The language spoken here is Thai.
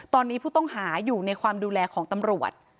ตอนนี้ผู้ต้องหาอยู่ในความดูแลของตำรวจ